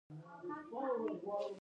ساختماني ډیزاین بله برخه ده.